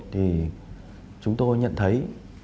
thì chúng tôi nhận thấy